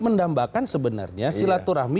mendambakan sebenarnya silaturahmi